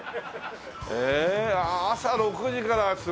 ええ朝６時からすごい。